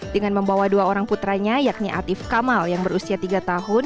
dengan membawa dua orang putranya yakni atif kamal yang berusia tiga tahun